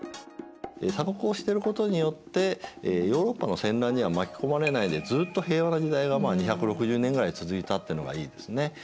鎖国をしてることによってヨーロッパの戦乱には巻き込まれないでずっと平和な時代が２６０年ぐらい続いたってのがいいですね。